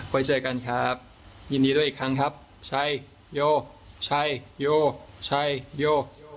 ไปเจอกันครับยินดีด้วยอีกครั้งครับชัยโยชัยโยชัยโย